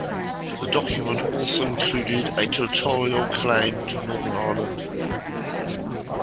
The document also included a territorial claim to Northern Ireland.